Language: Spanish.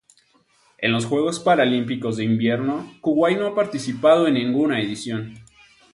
En los Juegos Paralímpicos de Invierno Kuwait no ha participado en ninguna edición.